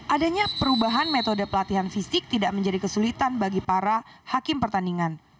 adanya perubahan metode pelatihan fisik tidak menjadi kesulitan bagi para hakim pertandingan